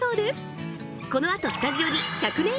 このあとスタジオに１００年